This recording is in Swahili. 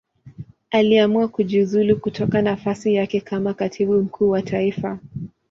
Aliamua kujiuzulu kutoka nafasi yake kama Katibu Mkuu wa Taifa.